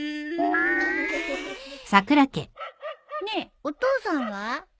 ねえお父さんは？